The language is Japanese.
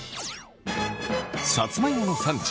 さつまいもの産地